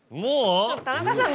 田中さん